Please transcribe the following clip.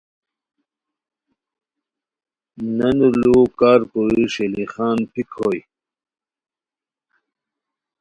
نانو لُوؤ کار کوری ݰیلی خان پھیک ہوئے